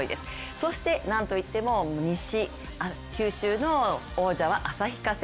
そして、なんといっても西九州の王者は旭化成。